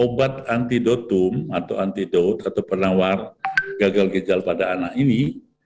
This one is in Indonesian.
obat antidotum atau antidot atau penawar gagal ginjal pada anak ini